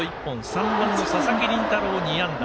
３番の佐々木麟太郎、２安打。